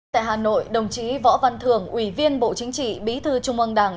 tại hà nội đồng chí võ văn thường ủy viên bộ chính trị bí thư trung ương đảng